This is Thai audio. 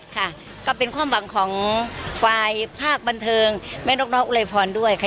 ค่ะก็เป็นความหวังของฝ่ายภาคบันเทิงแม่นกน้องอุไรพรด้วยค่ะ